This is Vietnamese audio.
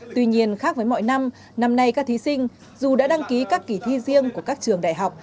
tuy nhiên khác với mọi năm năm nay các thí sinh dù đã đăng ký các kỳ thi riêng của các trường đại học